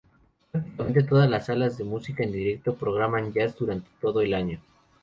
Prácticamente todas las salas de música en directo programan jazz durante todo el año.